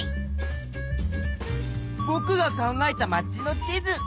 ぼくが考えた街の地図。